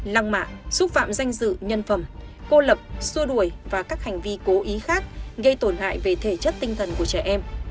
lăng mạ xúc phạm danh dự nhân phẩm cô lập xua đuổi và các hành vi cố ý khác gây tổn hại về thể chất tinh thần của trẻ em